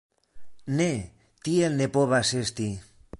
Ne, tiel ne povas esti!